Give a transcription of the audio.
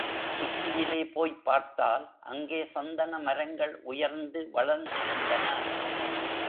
உச்சியிலே போய்ப் பார்த்தால் அங்கே சந்தன மரங்கள் உயர்ந்து வளர்ந்திருந்தன.